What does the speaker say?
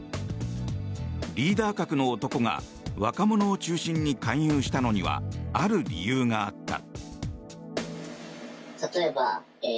リーダー格の男が若者を中心に勧誘したのにはある理由があった。